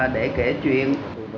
để kể chuyện